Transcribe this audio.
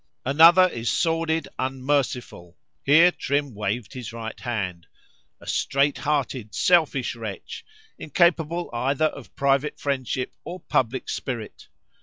_] "Another is sordid, unmerciful," (here Trim waved his right hand) "a strait hearted, selfish wretch, incapable either of private friendship or public spirit.